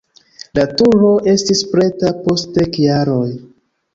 La turo estis preta post dek jaroj.